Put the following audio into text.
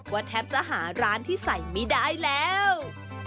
แทบจะหาร้านที่ใส่ไม่ได้แล้ว